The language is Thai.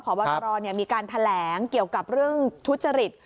พบตรมีการแถลงเกี่ยวกับเรื่องทุจริต